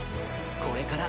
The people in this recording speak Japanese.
これから。